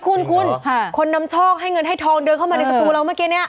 คุณคุณคนนำโชคให้เงินให้ทองเดินเข้ามาในสตูเราเมื่อกี้เนี่ย